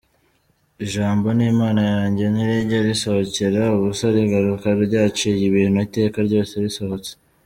Ijambo ni impano yanjye, ntirijya risohokera ubusa, rigaruka ryaciye ibintu iteka ryose risohotse.